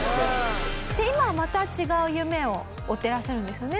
今はまた違う夢を追ってらっしゃるんですよね。